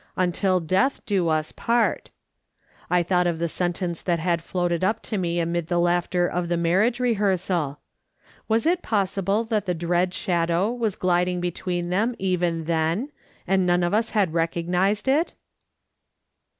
" Until death do us part." I thought of the sentence that had floated up to me amid the laughter of the marriage rehearsaL Was it possible that the dread shadow was gliding between them even then, and none of us had recog nised it